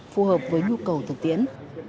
phù hợp với nhu cầu thực tiễn